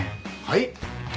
はい？